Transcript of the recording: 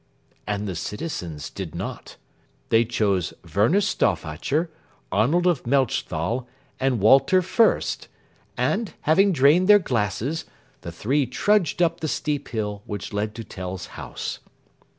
_" And the citizens did not. They chose Werner Stauffacher, Arnold of Melchthal, and Walter Fürst, and, having drained their glasses, the three trudged up the steep hill which led to Tell's house.